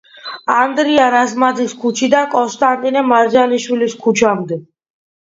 ანდრია რაზმაძის ქუჩიდან კონსტატინე მარჯანიშვილის ქუჩამდე.